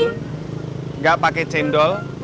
nggak pakai cendol